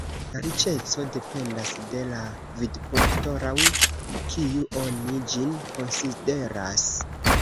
Riĉeco dependas de la vidpunkto, laŭ kiu oni ĝin konsideras.